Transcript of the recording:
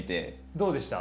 どうでした？